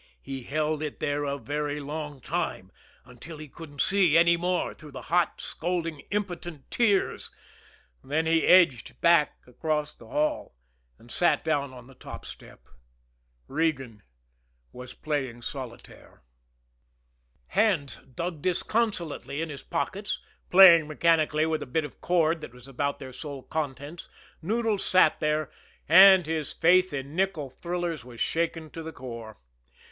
He held it there a very long time, until he couldn't see any more through hot, scalding, impotent tears; then he edged back across the hall, and sat down on the top step Regan was playing solitaire. Hands dug disconsolately in his pockets, playing mechanically with a bit of cord that was about their sole contents, Noodles sat there and his faith in nickel thrillers was shaken to the core.